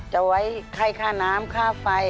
จะไว้ให้ค่าน้ำค่าไฟ